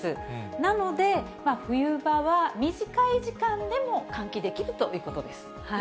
なので、冬場は短い時間でも換気できるということです。